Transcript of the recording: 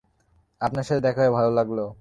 আপনার সাথে দেখা হয়ে ভালো লাগলো।